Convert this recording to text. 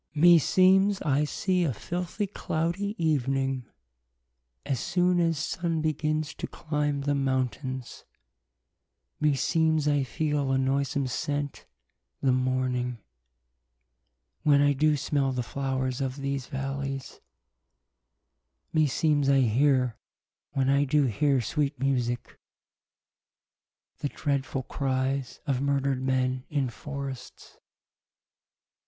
Klaius. Me seemes I see a filthie clow die evening , As soon as Sunne begins to clime the mountaines : Me seemes I feele a noysome sent , the morning When I doo smell the flowers of these v allies : Me seemes I heare , when I doo heare sweet e musique, The dreadfull cries of murdred men in forrests. Strephon.